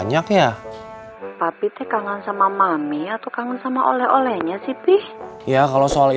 nanti kita bisa menyebrangi